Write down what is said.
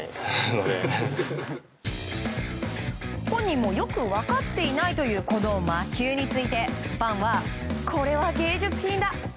本人もよく分かっていないというこの魔球についてファンはこれは芸術品だ！